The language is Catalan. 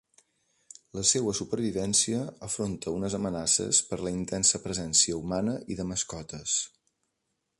La seua supervivència afronta unes amenaces per la intensa presència humana i de mascotes.